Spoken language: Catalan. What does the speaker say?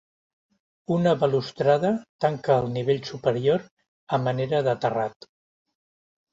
Una balustrada tanca el nivell superior a manera de terrat.